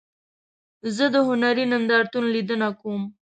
زه د هنري نندارتون لیدنه کوم.